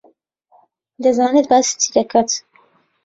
دەزانێت باسی چی دەکات.